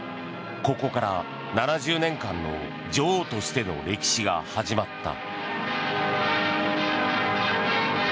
ここから７０年間の女王としての歴史が始まった。